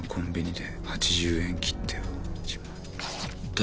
で